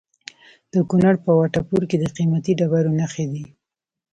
د کونړ په وټه پور کې د قیمتي ډبرو نښې دي.